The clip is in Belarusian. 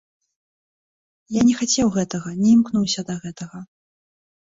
Я не хацеў гэтага, не імкнуўся да гэтага.